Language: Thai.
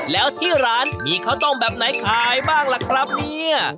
แล้วที่ร้านมีข้าวต้มแบบไหนขายบ้างล่ะครับเนี่ย